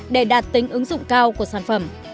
để đạt tính ứng dụng cao của sản phẩm